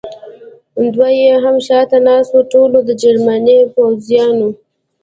دوه یې هم شاته ناست و، ټولو د جرمني پوځیانو.